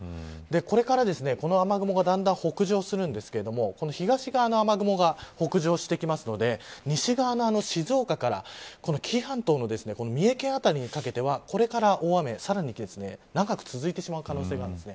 これから、この雨雲がだんだん北上するんですけど東側の雨雲が北上してくるので西側の静岡から紀伊半島の三重県辺りにかけてはこれから大雨さらに長く続いてしまう可能性があります。